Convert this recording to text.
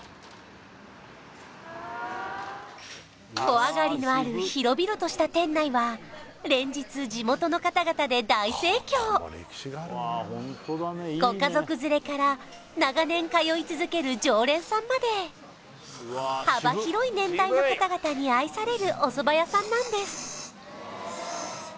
小上がりのある広々とした店内は連日地元の方々で大盛況ご家族連れから長年通い続ける常連さんまで幅広い年代の方々に愛されるおそば屋さんなんです